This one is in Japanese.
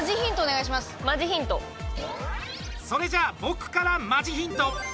それじゃあ僕からマジヒント。